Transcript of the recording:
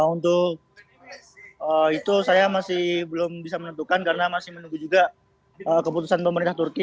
untuk itu saya masih belum bisa menentukan karena masih menunggu juga keputusan pemerintah turki